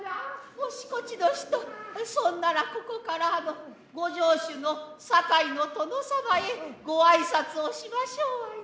もしこちの人そんならここからあのご城主の酒井の殿様へごあいさつをしましょうわいな。